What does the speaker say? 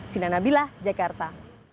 fina nabilah jakarta